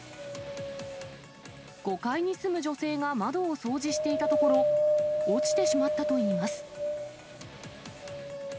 ５階に住む女性が窓を掃除していたところ、落ちてしまったといいます。